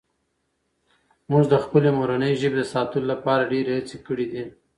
موږ د خپلې مورنۍ ژبې د ساتلو لپاره ډېرې هڅې کړي دي.